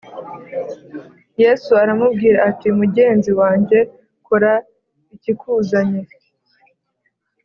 Yesu aramubwira ati “Mugenzi wanjye, kora ikikuzanye.”